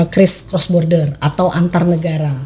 christ cross border atau antar negara